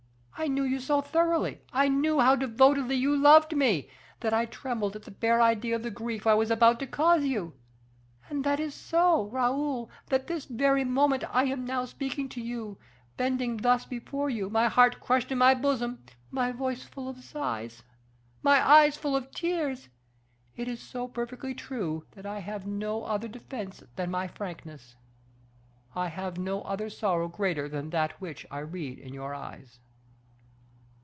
I knew you so thoroughly I knew how devotedly you loved me, that I trembled at the bare idea of the grief I was about to cause you; and that is so true, Raoul, that this very moment I am now speaking to you, bending thus before you, my heart crushed in my bosom, my voice full of sighs, my eyes full of tears, it is so perfectly true, that I have no other defense than my frankness, I have no other sorrow greater than that which I read in your eyes."